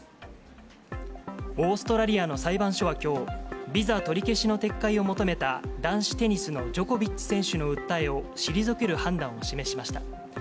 オーストラリアの裁判所はきょう、ビザ取り消しの撤回を求めた男子テニスのジョコビッチ選手の訴えを退ける判断を示しました。